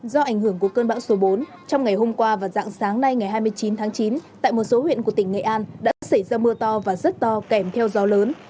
do ảnh hưởng của cơn bão số bốn trong ngày hôm qua và dạng sáng nay ngày hai mươi chín tháng chín tại một số huyện của tỉnh nghệ an đã xảy ra mưa to và rất to kèm theo gió lớn